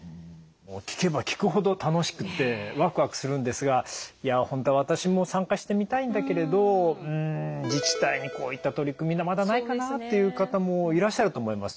もう聞けば聞くほど楽しくてわくわくするんですが「いや本当は私も参加してみたいんだけれどん自治体にこういった取り組みがまだないかな」っていう方もいらっしゃると思います。